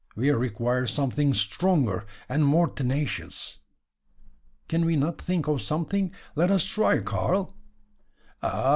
We require something stronger, and more tenacious." "Can we not think of something? Let us try, Karl!" "Ah!